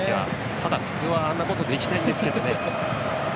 ただ普通はあんなことできないんですけどね。